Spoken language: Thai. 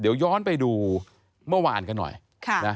เดี๋ยวย้อนไปดูเมื่อวานกันหน่อย